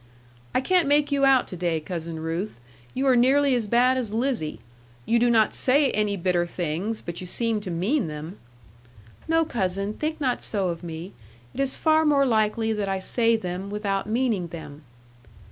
'I can't make you out to day, Cousin Ruth; you are nearly as bad as Lizzie. You do not say any bitter things, but you seem to mean them.' 'No, cousin, think not so of me. It is far more likely that I say them, without meaning them.'